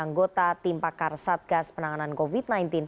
anggota tim pakar satgas penanganan covid sembilan belas